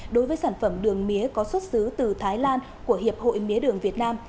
đối với sản phẩm đường mía có xuất xứ từ thái lan của hiệp hội mía đường việt nam